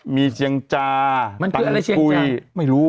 มีเฉียงจ๋า